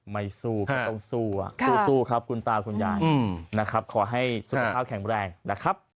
ไม่สู้ก็ต้องสู้เนาะสู้นะครับ